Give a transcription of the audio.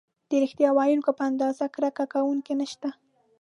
د ریښتیا ویونکي په اندازه کرکه کوونکي نشته.